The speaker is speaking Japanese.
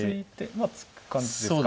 まあ突く感じですか。